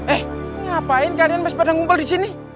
eh ini ngapain kalian masih pada ngumpel di sini